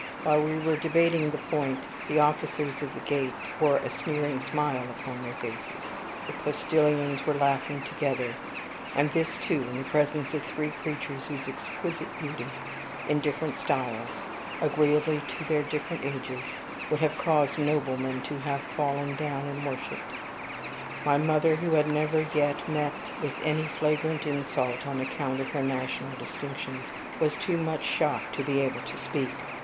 While we were debating the point, the officers of the gate wore a sneering smile upon their faces the postilions were laughing together; and this, too, in the presence of three creatures whose exquisite beauty, in different styles, agreeably to their different ages, would have caused noblemen to have fallen down and worshiped. My mother, who had never yet met with any flagrant insult on account of her national distinctions, was too much shocked to be capable of speaking.